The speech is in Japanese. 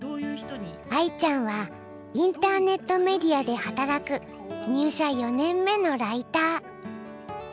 愛ちゃんはインターネットメディアで働く入社４年目のライター。